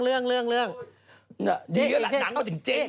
ดีก็ล่ะน้างงันจริงน่ะ